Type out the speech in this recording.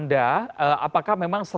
di pantai mana